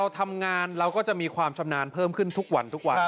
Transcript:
ทำงานเราก็จะมีความชำนาญเพิ่มขึ้นทุกวันทุกวัน